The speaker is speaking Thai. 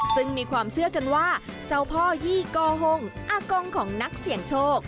ซึ่งมีความเชื่อกันว่าเจ้าพ่อยี่กอฮงอากงของนักเสี่ยงโชค